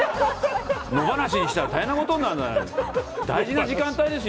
野放しにしたら大変なことになるのよ。